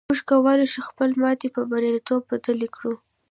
موږ کولی شو خپله ماتې پر برياليتوب بدله کړو.